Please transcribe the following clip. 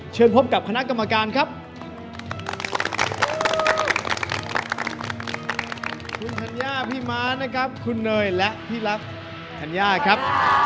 พบกับคณะกรรมการครับ